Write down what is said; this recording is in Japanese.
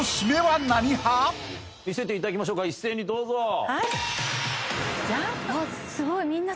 見せていただきましょうか一斉にどうぞ。